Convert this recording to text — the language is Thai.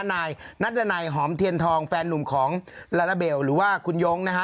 นายนัดดันัยหอมเทียนทองแฟนนุ่มของลาลาเบลหรือว่าคุณยงนะฮะ